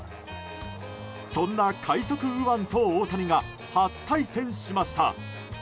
そんな快速右腕と大谷が初対戦しました。